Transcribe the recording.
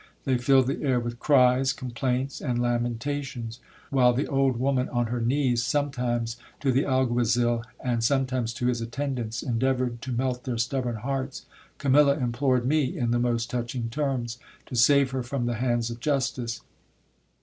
They filled the air with cries, complaints, and lamentations. While the old woman on her knees, sometimes to the alguazil and sometimes to his attendants, endeavoured to melt their stubborn hearts, Camilla implored me, in the most touching terms, to save her from the hands of justice.